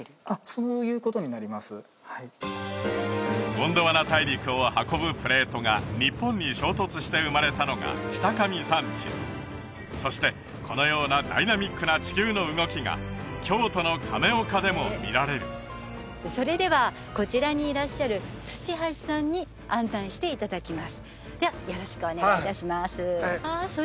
あっそういうことになりますゴンドワナ大陸を運ぶプレートが日本に衝突して生まれたのが北上山地そしてこのようなダイナミックな地球の動きが京都の亀岡でも見られるそれではこちらにいらっしゃる土橋さんに案内していただきますではよろしくお願いいたしますああ